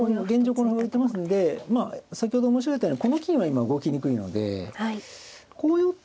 この歩浮いてますんで先ほど申し上げたようにこの金は今動きにくいのでこう寄った